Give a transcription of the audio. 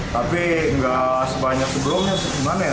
tapi nggak sebanyak sebelumnya